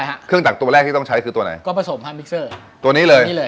ฮะเครื่องจักรตัวแรกที่ต้องใช้คือตัวไหนก็ผสมฮามิกเซอร์ตัวนี้เลยนี่เลย